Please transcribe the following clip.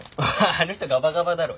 あの人ガバガバだろ。